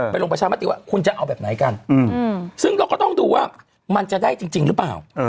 ลงประชามติว่าคุณจะเอาแบบไหนกันซึ่งเราก็ต้องดูว่ามันจะได้จริงหรือเปล่า